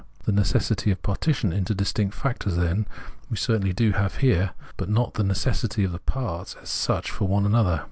The necessity of partition into distinct factors, then, we certainly do have here ; but not the necessity of the parts as such for one another.